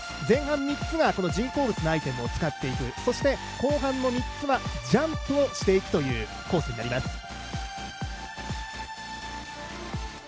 前半３つが人工物のアイテムを使っていくそして、後半の３つはジャンプをしていくコースになります。